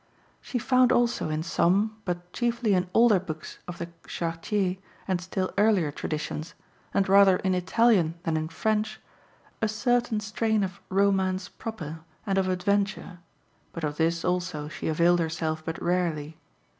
She found also in some, but chiefly in older books of the Chartier and still earlier traditions, and rather in Italian than in French, a certain strain of romance proper and of adventure; but of this also she availed herself but rarely.